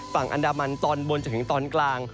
ฝั่งอันดามันตอนบนจนถึงตอนกลาง